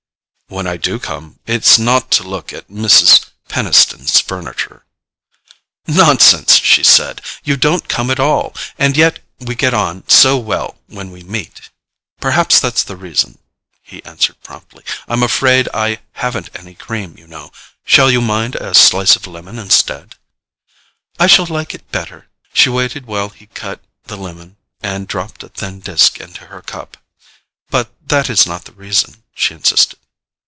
"When I do come, it's not to look at Mrs. Peniston's furniture." "Nonsense," she said. "You don't come at all—and yet we get on so well when we meet." "Perhaps that's the reason," he answered promptly. "I'm afraid I haven't any cream, you know—shall you mind a slice of lemon instead?" "I shall like it better." She waited while he cut the lemon and dropped a thin disk into her cup. "But that is not the reason," she insisted.